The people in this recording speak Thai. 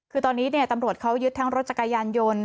คือตอนนี้ตำรวจเขายึดทั้งรถจักรยานยนต์